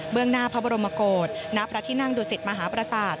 เบื้องหน้าพระบรมโมโกศณพระทินั่งดุสิตมหาประสาท